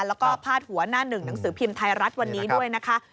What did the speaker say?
แล้วก็พาดหัวหน้าหนึ่งหนังสือพิมพ์ไทยรัฐวันนี้ด้วยนะคะ